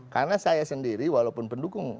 karena saya sendiri walaupun pendukung